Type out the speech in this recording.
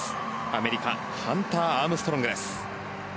アメリカハンター・アームストロング。